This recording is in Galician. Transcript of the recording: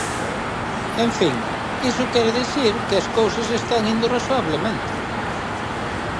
En fin, iso quere dicir que as cousas están indo razoablemente.